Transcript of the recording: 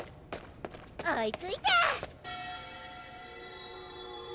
おいついた！